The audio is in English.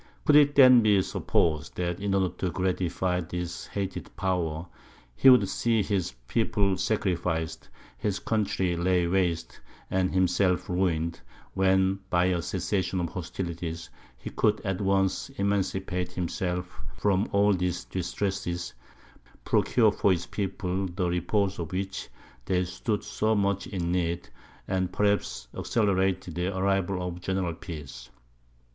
Could it then be supposed that, in order to gratify this hated power, he would see his people sacrificed, his country laid waste, and himself ruined, when, by a cessation of hostilities, he could at once emancipate himself from all these distresses, procure for his people the repose of which they stood so much in need, and perhaps accelerate the arrival of a general peace?